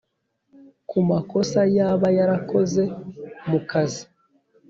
ku makosa yaba yarakoze mu kazi